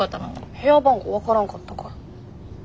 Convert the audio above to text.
部屋番号分からんかったから。